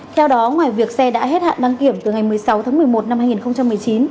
theo đó ngoài việc xe đã hết hạn đăng kiểm từ ngày một mươi sáu tháng một mươi một năm hai nghìn một mươi chín